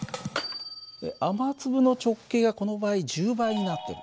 雨粒の直径がこの場合１０倍になってる。